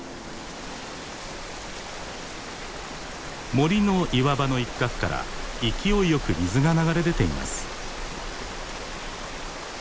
森の岩場の一角から勢いよく水が流れ出ています。